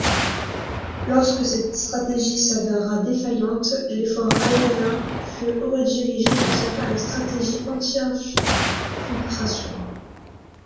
Lorsque cette stratégie s'avéra défaillante, l’effort aérien fut redirigé pour servir la stratégie anti-infiltration.